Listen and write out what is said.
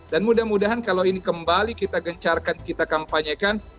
dan mudah mudahan kalau ini kembali kita gencarkan kita kampanyekan